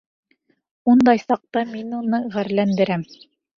Ундай саҡта мин уны ғәрләндерәм.